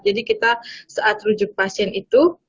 jadi kita saat rujuk pasien itu